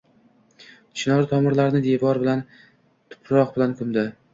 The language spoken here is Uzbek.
Chinor tomirlarini devor tuproq bilan ko‘mdi.